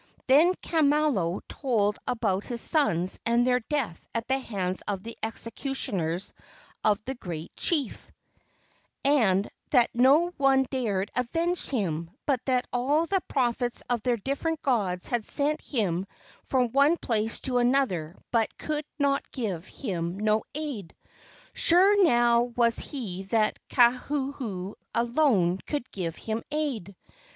Then Kamalo told about his sons and their death at the hands of the executioners of the great chief, and that no one dared avenge him, but that all the prophets of the different gods had sent him from one place to another but could give him no aid. Sure now was he that Kauhuhu alone could give him aid.